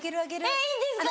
えっいいんですか。